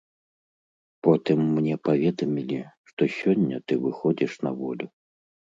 Потым мне паведамілі, што сёння ты выходзіш на волю.